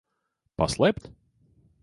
Paslēpt?